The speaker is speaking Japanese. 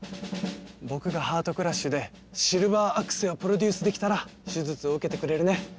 僕がハートクラッシュでシルバーアクセをプロデュースできたら手術を受けてくれるね？